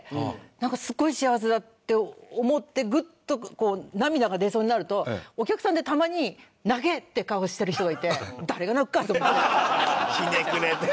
なんかすごい幸せだって思ってグッとこう涙が出そうになるとお客さんでたまに泣け！って顔してる人がいて誰が泣くか！と思って。